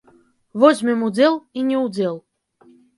Возьмем удзел і не ўдзел.